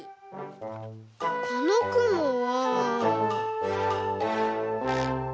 このくもは。